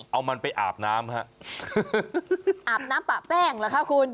เอามันไปอาบน้ำฮะอาบน้ำปะแป้งเหรอคะคุณ